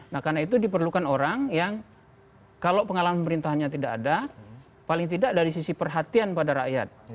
nah karena itu diperlukan orang yang kalau pengalaman pemerintahnya tidak ada paling tidak dari sisi perhatian pada rakyat